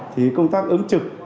thì công tác ứng trực